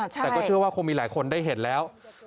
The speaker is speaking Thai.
แต่ก็เชื่อว่าคงมีหลายคนได้เห็นแล้ว